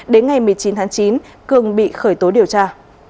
đến ngày một mươi chín tháng chín cường bị khởi tố điều tra